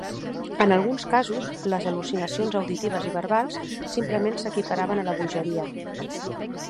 En alguns casos, les al·lucinacions auditives i verbals simplement s'equiparaven a la bogeria.